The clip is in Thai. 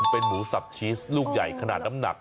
เป็นหมูสับชีสลูกใหญ่ขนาดน้ำหนัก